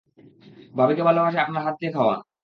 ভাবিকে ভালোবাসে আপনার হাত দিয়ে খাওয়ান।